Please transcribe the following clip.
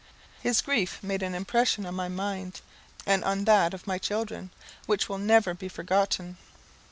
His grief made an impression on my mind, and on that of my children, which will never be forgotten.